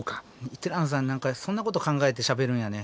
ティラノさん何かそんなこと考えてしゃべるんやね。